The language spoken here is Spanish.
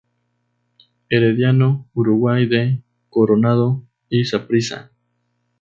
Herediano, Uruguay de Coronado y Saprissa.